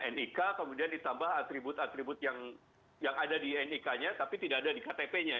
nik kemudian ditambah atribut atribut yang ada di nik nya tapi tidak ada di ktp nya